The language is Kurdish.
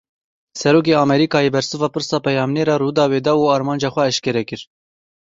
Serokê Amerîkayê bersiva pirsa peyamnêra Rûdawê da û armanca xwe eşkere kir.